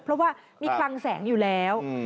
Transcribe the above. เพราะว่ามีคลังแสงอยู่แล้ว